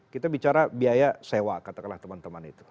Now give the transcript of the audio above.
kita bicara biaya sewa katakanlah teman teman itu